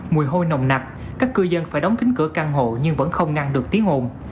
mùi hôi nồng nặc các cư dân phải đóng kính cửa căn hộ nhưng vẫn không ngăn được tiếng ồn